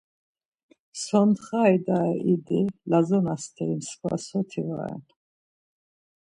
Sontxa idare idi, Lazona steri mskva soti va ren.